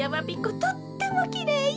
とってもきれいよ。